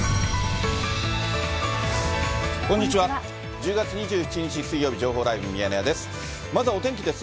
１０月２７日水曜日、情報ライブミヤネ屋です。